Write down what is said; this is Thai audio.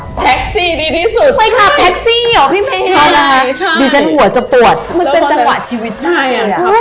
แท็กซี่ดีที่สุด